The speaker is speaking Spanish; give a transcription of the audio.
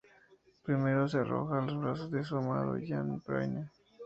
Primero se arroja a los brazos de su amado Jean de Brienne.